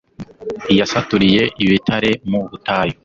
Yasaturiye ibitare mu butayu